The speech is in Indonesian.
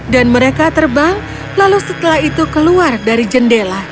dan mereka terbang lalu setelah itu keluar dari jendela